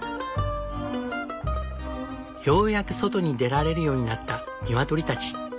ようやく外に出られるようになった鶏たち。